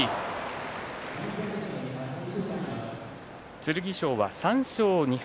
剣翔３勝２敗。